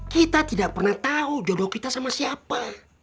kita tidak pernah tahu jodoh kita sama siapa